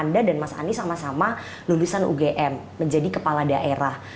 anda dan mas anies sama sama lulusan ugm menjadi kepala daerah